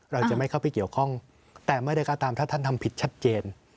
เราจะไม่เข้าไปเกี่ยวข้องแต่ไม่ได้ก็ตามถ้าท่านทำผิดชัดเจน